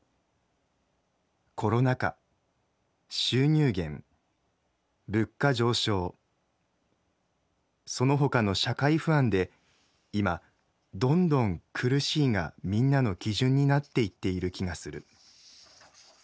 コロナ禍収入減物価上昇そのほかの社会不安で今どんどん『苦しい』がみんなの基準になっていっている気がする。